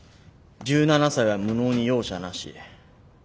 １７才は無能に容赦なし」。